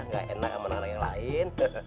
nggak enak sama anak anak yang lain